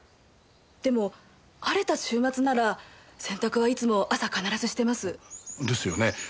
でも晴れた週末なら洗濯はいつも朝必ずしてます。ですよね。